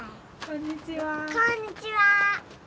こんにちは。